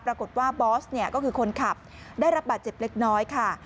ปรากฏว่าบอสเนี่ยก็คือคนขับได้รับบาดเจ็บเล็กน้อยค่ะ